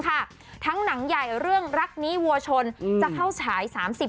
ค่ะทั้งหนังใหญ่เรื่องรักนี้วัวชนอืมจะเข้าฉายสามสิบ